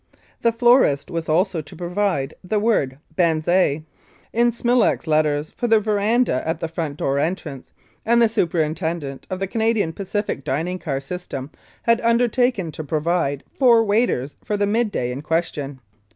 The florist was also to provide the word "Banzai," in smilax letters, for the veranda at the front door entrance, and the superintendent of the Canadian Pacific dining car system had undertaken to provide four waiters for the mid day in question.